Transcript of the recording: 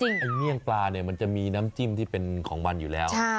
เมี่ยงปลาเนี่ยมันจะมีน้ำจิ้มที่เป็นของมันอยู่แล้ว